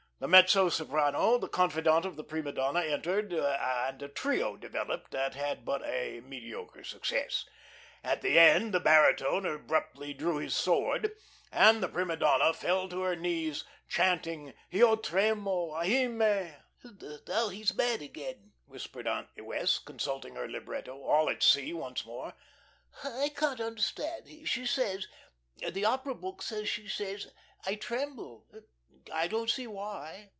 The mezzo soprano, the confidante of the prima donna, entered, and a trio developed that had but a mediocre success. At the end the baritone abruptly drew his sword, and the prima donna fell to her knees, chanting: "Io tremo, ahime!" "And now he's mad again," whispered Aunt Wess', consulting her libretto, all at sea once more. "I can't understand. She says the opera book says she says, 'I tremble.' I don't see why."